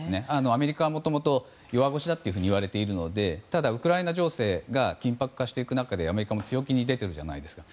アメリカはもともと弱腰だといわれているのでただウクライナ情勢が緊迫化していく中でアメリカも強気に出ているじゃないですか。